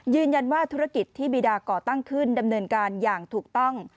ธุรกิจที่บีดาก่อตั้งขึ้นดำเนินการอย่างถูกต้อง